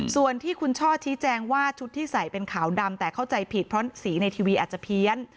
ส่วนที่คุณช่อชี้แจงว่าชุดที่ใส่เป็นขาวดำแต่เข้าใจผิดเพราะสีในทีวีอาจจะเพี้ยน